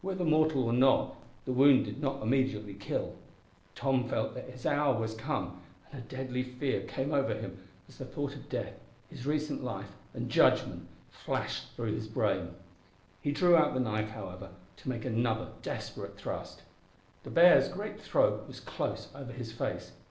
Whether mortal or not, the wound did not immediately kill. Tom felt that his hour was come, and a deadly fear came over him as the thought of death, his recent life, and judgment, flashed through his brain. He drew out the knife, however, to make another desperate thrust. The bear's great throat was close over his face.